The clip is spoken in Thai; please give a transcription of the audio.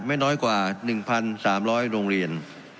ไม่น้อยกว่า๑๓๐๐โรงเรียน